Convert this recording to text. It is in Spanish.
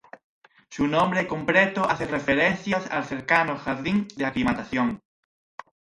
Su nombre completo hace referencias al cercano Jardín de Aclimatación.